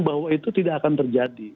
bahwa itu tidak akan terjadi